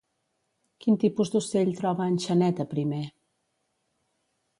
Quin tipus d'ocell troba en Xaneta primer?